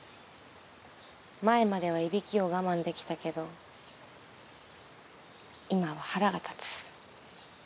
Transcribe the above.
前まではいびきを我慢できたけど今は腹が立つ。